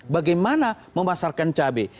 bagaimana memasarkan cabai